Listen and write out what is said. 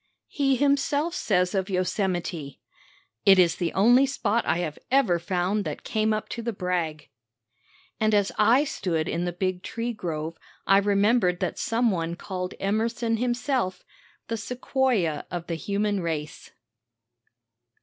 He himself says of Yosemite: "It is the only spot I have ever found that came up to the brag." And as I stood in the big tree grove I remembered that some one called Emerson himself "the Sequoia of the human race."